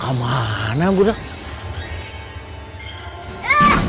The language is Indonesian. kau mana budak